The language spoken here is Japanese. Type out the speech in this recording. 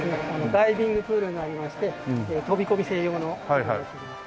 ダイビングプールになりまして飛び込み専用のプールになっております。